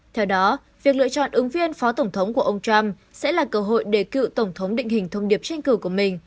theo đó việc lựa chọn ứng viên phó tổng thống của ông trump sẽ là cơ hội để cựu tổng thống định hình thông điệp tranh cử của mình